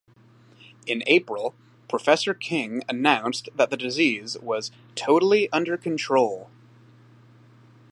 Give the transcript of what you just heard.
In April, Professor King announced that the disease was "totally under control".